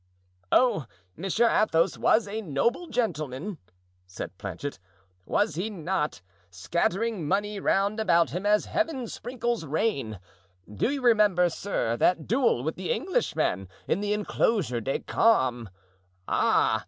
"Oh, Monsieur Athos was a noble gentleman," said Planchet, "was he not? Scattering money round about him as Heaven sprinkles rain. Do you remember, sir, that duel with the Englishman in the inclosure des Carmes? Ah!